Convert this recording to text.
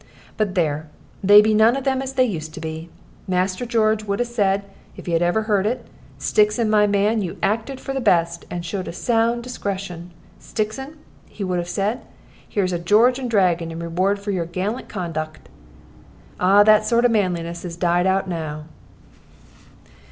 But there, they be none of them as they used to be! Master George would 'a said, if he ever had heard it. 'Stixon, my man, you have acted for the best, and showed a sound discretion. Stixon,' he would have said, 'here's a George and Dragon in reward of your gallant conduck.' Ah, that sort of manliness is died out now."